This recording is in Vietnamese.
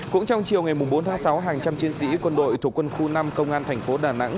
cũng trong chiều ngày bốn tháng sáu hàng trăm chiến sĩ quân đội thuộc quân khu năm công an thành phố đà nẵng